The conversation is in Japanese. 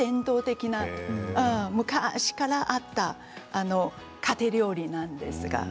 昔からあった家庭料理なんですが。